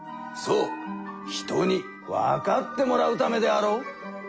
「人にわかってもらうため」であろう。